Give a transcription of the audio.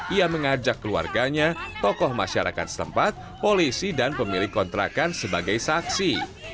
ia mengajak keluarganya tokoh masyarakat setempat polisi dan pemilik kontrakan sebagai saksi